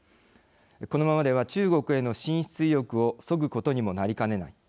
このままでは中国への進出意欲をそぐことにもなりかねない。